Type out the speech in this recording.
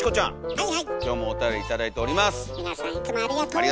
はい？